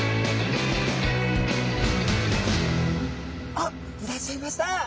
あっいらっしゃいました。